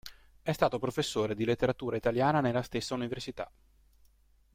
È stato professore di letteratura italiana nella stessa università.